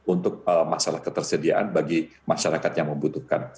untuk masalah ketersediaan bagi masyarakat yang membutuhkan